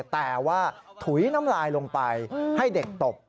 แต่ว่าถุยน้ำลายลงไปให้เด็กตบ